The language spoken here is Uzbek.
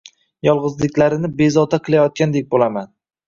Yolg’izliklarini bezovta qilayotgandek bo’laman.